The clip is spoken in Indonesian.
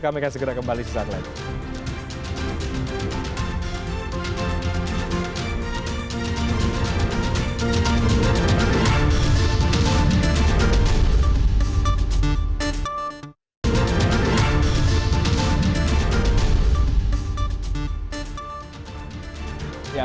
kami akan segera kembali sesaat lain